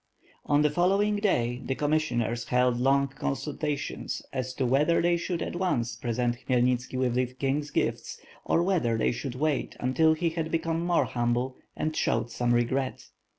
On the following day, the commissioners held long con sultations as to whether they should at once present IGimyel nitski with the king's gifts, or whether they should wait until he had become more humble and showed some regret.